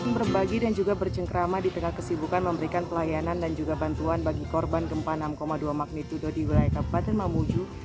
berbagi dan juga bercengkrama di tengah kesibukan memberikan pelayanan dan juga bantuan bagi korban gempa enam dua magnitudo di wilayah kabupaten mamuju